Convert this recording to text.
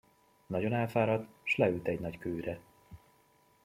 Nagyon elfáradt, s leült egy nagy kőre.